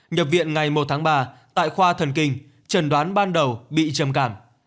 nhập viện ngày một tháng ba tại khoa thần kinh trần đoán ban đầu bị trầm cảm